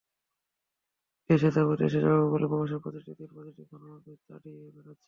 দেশে যাব, দেশে যাব বলে প্রবাসের প্রতিটি দিন, প্রতিটি ক্ষণ আমাকে তাড়িয়ে বেড়াত।